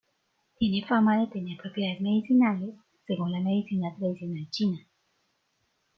Tiene fama de tener propiedades medicinales según la medicina tradicional china.